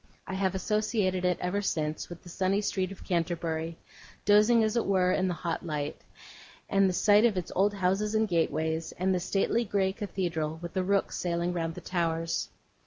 I have associated it, ever since, with the sunny street of Canterbury, dozing as it were in the hot light; and with the sight of its old houses and gateways, and the stately, grey Cathedral, with the rooks sailing round the towers.